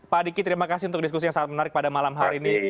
pak diki terima kasih untuk diskusi yang sangat menarik pada malam hari ini